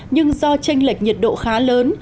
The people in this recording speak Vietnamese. nhưng do tranh lệch nhiệt độ khá lớn